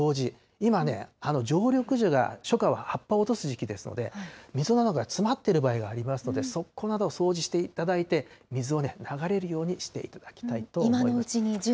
今ね、常緑樹が初夏は葉っぱを落とす時期ですので、溝などが詰まってる場合がありますので、側溝などを掃除していただいて、水を流れるようにしていただきたいと思います。